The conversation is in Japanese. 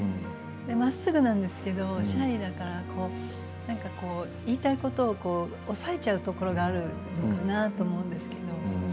まっすぐなんですけどシャイだから言いたいことを抑えちゃうところがあるのかな？と思うんですけど。